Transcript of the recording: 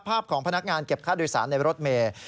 ภาพของพนักงานเก็บค่าโดยสารในรถเมย์